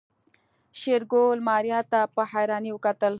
شېرګل ماريا ته په حيرانۍ وکتل.